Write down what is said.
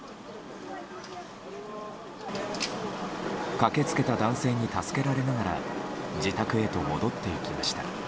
駆け付けた男性に助けられながら自宅へと戻っていきました。